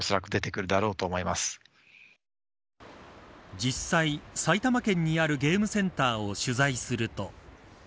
実際、埼玉県にあるゲームセンターを取材すると。